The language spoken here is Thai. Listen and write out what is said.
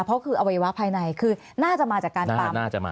เพราะคืออวัยวะภายในคือน่าจะมาจากการปั๊ม